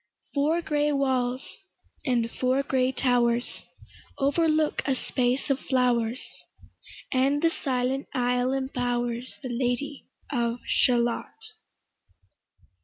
Four gray walls, and four gray towers, Overlook a space of flowers, And the silent isle imbowers The Lady of Shalott.